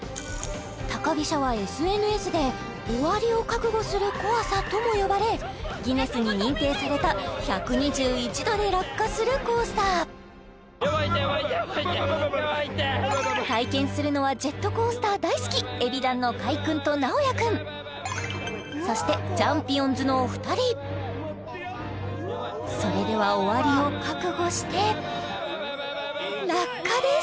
高飛車はＳＮＳで終わりを覚悟する怖さとも呼ばれギネスに認定された１２１度で落下するコースター体験するのはジェットコースター大好きＥＢｉＤＡＮのカイ君とＮＡＯＹＡ君そしてちゃんぴおんずのお二人それでは終わりを覚悟して落下です！